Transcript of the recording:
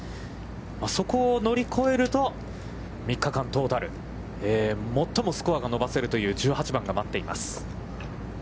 そこを乗り越えると、３日間、トータル、最もスコアが伸ばせるという１８番が待っています。